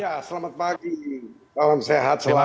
ya selamat pagi salam sehat selalu